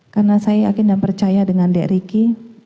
karena saya yakin dan percaya dengan d ricky